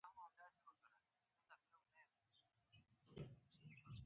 له خبرو خلک در سره مینه پیدا کوي